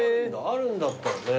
あるんだったらね。